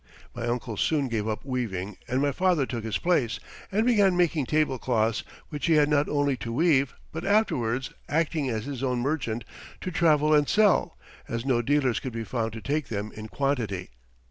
My uncle soon gave up weaving and my father took his place and began making tablecloths, which he had not only to weave, but afterwards, acting as his own merchant, to travel and sell, as no dealers could be found to take them in quantity.